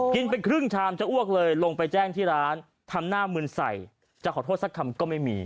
กินไปครึ่งชามจะอ้วกเลยลงไปแจ้งที่ร้านทำหน้ามึนใส่จะขอโทษสักคำก็ไม่มี